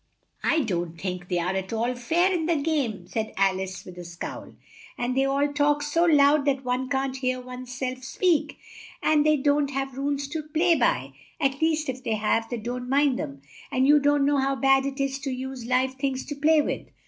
"I don't think they are at all fair in the game," said Al ice with a scowl; "and they all talk so loud that one can't hear one's self speak and they don't have rules to play by; at least if they have, they don't mind them and you don't know how bad it is to have to use live things to play with.